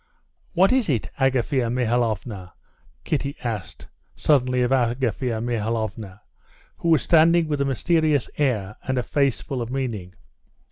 "What is it, Agafea Mihalovna?" Kitty asked suddenly of Agafea Mihalovna, who was standing with a mysterious air, and a face full of meaning.